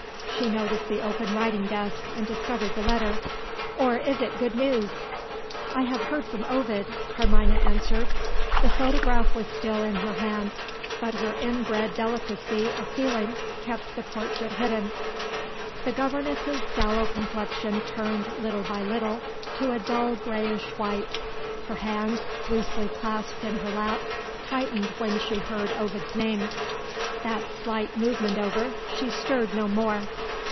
She noticed the open writing desk, and discovered the letter. "Or is it good news?" "I have heard from Ovid," Carmina answered. The photograph was still in her hand; but her inbred delicacy of feeling kept the portrait hidden. The governess's sallow complexion turned little by little to a dull greyish white. Her hands, loosely clasped in her lap, tightened when she heard Ovid's name. That slight movement over, she stirred no more.